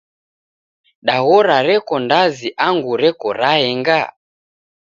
Daghora reko ndazi angu reko raenga?